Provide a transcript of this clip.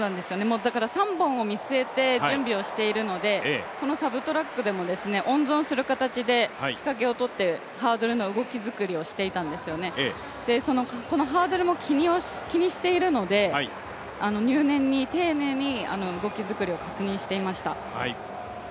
３本を見据えて準備をしているのでこのサブトラックでも温存する形で日陰をとって、ハードルの動き作りをしていたんですよね、このハードルも気にしているので入念に丁寧に動き作りを確認していました。